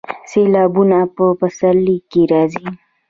سیلابونه په پسرلي کې راځي